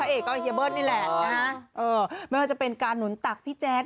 เออมันอาจจะเป็นการหนุนตักพี่แจ๊ด